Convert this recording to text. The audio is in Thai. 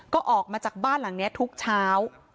ก็ออกมาจากบ้านหลังนี้ทุกเช้า